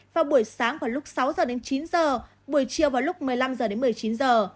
vào buổi sáng vào lúc sáu h chín h buổi chiều vào lúc một mươi năm h một mươi chín h